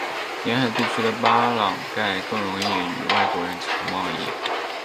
沿海地区的巴朗盖更容易与外国人进行贸易。